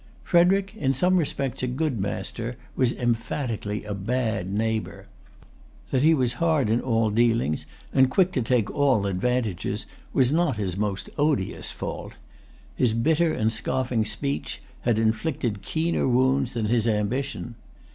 Frederic, in some respects a good master, was emphatically a bad neighbor. That he was hard in all dealings, and quick to take all advantages, was not his most odious fault.[Pg 298] His bitter and scoffing speech had inflicted keener wounds than his ambition.